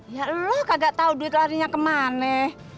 ya lu kagak tahu duit larinya ke mana